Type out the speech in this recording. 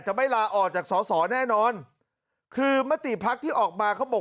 ไม่ลาออกจากสอสอแน่นอนคือมติภักดิ์ที่ออกมาเขาบอก